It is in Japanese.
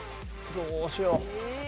どうしよう？